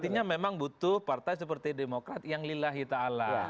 karena memang butuh partai seperti demokrat yang lillahi ta'ala